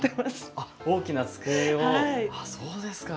あっ大きな机をそうですか。